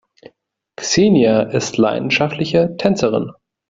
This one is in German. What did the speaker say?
Xenia ist leidenschaftliche Tänzerin.